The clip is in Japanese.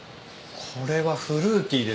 これはフルーティーですね。